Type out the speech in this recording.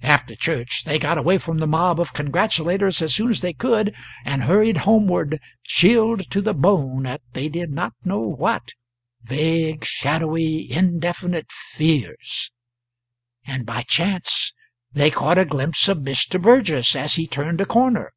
After church they got away from the mob of congratulators as soon as they could, and hurried homeward, chilled to the bone at they did not know what vague, shadowy, indefinite fears. And by chance they caught a glimpse of Mr. Burgess as he turned a corner.